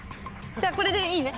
じゃあこれでいいね？